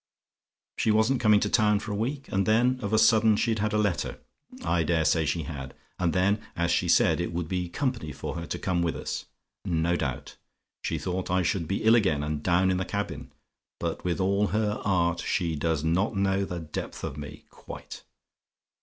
"She wasn't coming to town for a week; and then, of a sudden, she'd had a letter. I dare say she had. And then, as she said, it would be company for her to come with us. No doubt. She thought I should be ill again, and down in the cabin, but with all her art, she does not know the depth of me quite.